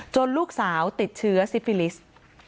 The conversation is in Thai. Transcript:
ลูกสาวติดเชื้อซิฟิลิสต์